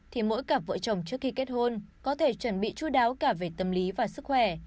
thì mỗi cặp vợ chồng trước khi kết hôn có thể chuẩn bị chú đáo cả về tâm lý và sức khỏe